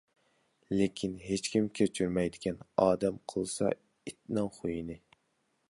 لېكىن ھېچكىم كەچۈرمەيدىكەن، ئادەم قىلسا ئىتنىڭ خۇيىنى.